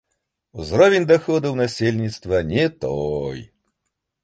Узровень даходаў насельніцтва не той.